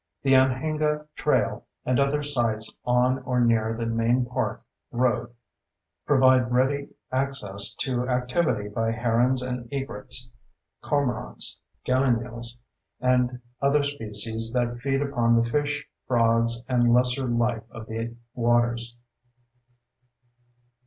The Anhinga Trail and other sites on or near the main park road provide ready access to activity by herons and egrets, cormorants, gallinules, and other species that feed upon the fish, frogs, and lesser life of the waters.